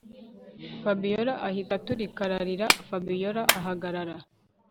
Fabiora ahita aturika ararira Fabiora ahagarara